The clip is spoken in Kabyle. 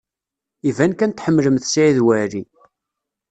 Iban kan tḥemmlemt Saɛid Waɛli.